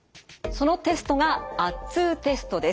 そのテストが圧痛テストです。